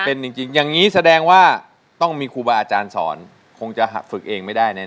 เป็นจริงอย่างนี้แสดงว่าต้องมีครูบาอาจารย์สอนคงจะฝึกเองไม่ได้แน่